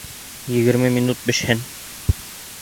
Егерме минут бешһен